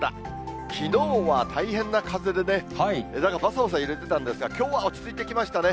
きのうは大変な風でね、枝がばさばさ揺れてたんですが、きょうは落ち着いてきましたね。